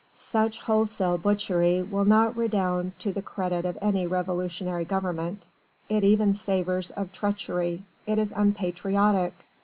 Such wholesale butchery will not redound to the credit of any revolutionary government it even savours of treachery it is unpatriotic!